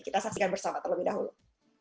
kita saksikan bersama terlebih dahulu